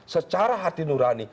secara hati nurani